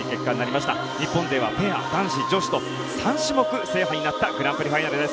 そして日本勢はペア、男子、女子と３種目制覇になったグランプリファイナルです。